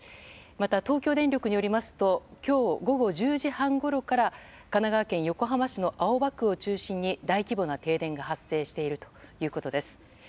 また、東京電力によりますと今日、午後１０時半ごろから神奈川県横浜市の青葉区を中心に大規模な停電が発生しているということです。